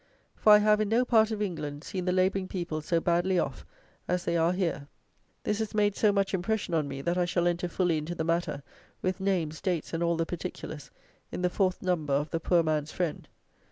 For I have, in no part of England, seen the labouring people so badly off as they are here. This has made so much impression on me, that I shall enter fully into the matter with names, dates, and all the particulars in the IVth Number of the "POOR MAN'S FRIEND."